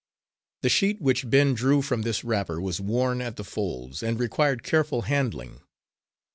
The sheet which Ben drew from this wrapper was worn at the folds, and required careful handling.